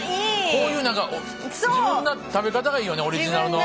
こういう何か自分なりの食べ方がいいよねオリジナルの。